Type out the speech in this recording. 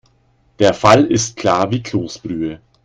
Der Fall ist klar wie Kloßbrühe.